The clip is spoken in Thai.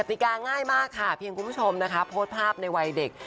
ติกาง่ายมากค่ะเพียงคุณผู้ชมนะคะโพสต์ภาพในวัยเด็ก